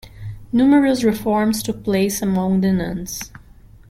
Numerous reforms took place among the nuns.